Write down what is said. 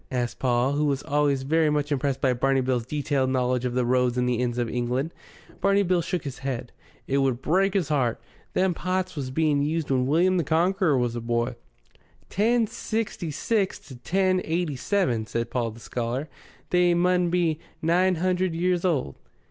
asked Paul, who was always very much impressed by Barney Bill's detailed knowledge of the roads and the inns of England. Barney Bill shook his head. "It would break 'is 'eart. Them pots was being used when William the Conqueror was a boy." "Ten sixty six to ten eighty seven," said Paul the scholar. "They mun be nine hundred years old."